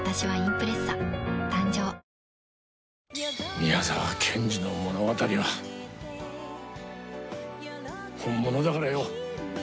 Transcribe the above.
宮沢賢治の物語は本物だからよ。